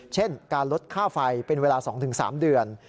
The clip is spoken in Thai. เช่นการลดค่าไฟเป็นเวลา๒๓เดือน